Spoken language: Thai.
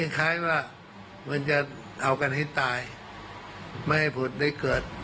คล้ายว่ามันจะเอากันให้ตายไม่ให้ผุดได้เกิด